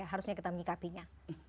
harusnya kita mengikapinya